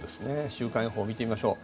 週間予報を見てみましょう。